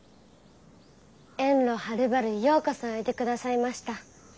遠路はるばるようこそおいでくださいました。